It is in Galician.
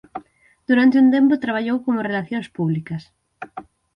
Durante un tempo traballou como relacións públicas.